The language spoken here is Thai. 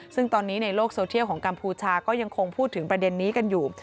ซึ่งตอนนี้ในโลกโซเทียลของกัมพูชาก็ยังคงพูดถึงประเด็นนี้กันอยู่